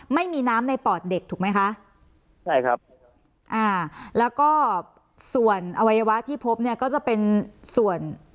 ไม่มีน้ำในปอดเด็กถูกไหมคะใช่ครับอ่าแล้วก็ส่วนอวัยวะที่พบเนี่ยก็จะเป็นส่วน